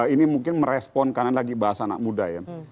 ini mungkin merespon karena lagi bahas anak muda ya